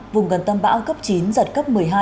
vùng gần tâm bão cấp chín giật cấp một mươi hai